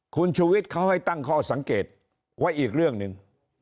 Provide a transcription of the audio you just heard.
คุณชูวิทย์เขาให้ตั้งข้อสังเกตไว้อีกเรื่องหนึ่ง